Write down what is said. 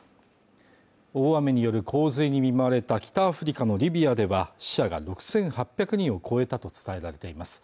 大雨による洪水に見舞われた北アフリカのリビアでは死者が６８００人を超えたと伝えられています